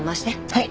はい。